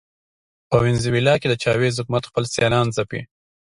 په وینزویلا کې د چاوېز حکومت خپل سیالان ځپي.